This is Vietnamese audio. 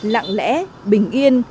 lặng lẽ bình yên